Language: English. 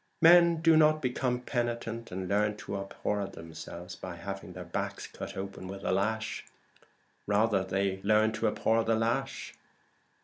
Men do not become penitent and learn to abhor themselves by having their backs cut open with the lash; rather, they learn to abhor the lash.